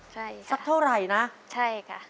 ใช่สักเท่าไหร่นะใช่ค่ะ